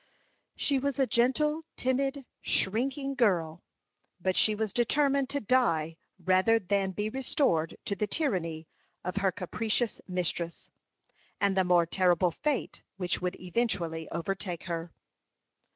She was a gentle, timid, shrinking girl; but she was determined to die rather than be restored to the tyranny of her capricious mistress, and the more terrible fate which would eventually overtake her.